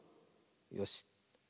よし。